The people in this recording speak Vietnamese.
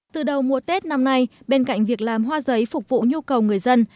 từ đầu mùa tết năm nay bên cạnh việc làm hoa giấy phục vụ nhu cầu người dân